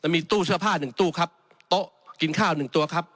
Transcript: มีตู้เสื้อผ้าหนึ่งตู้ครับโต๊ะกินข้าวหนึ่งตัวครับ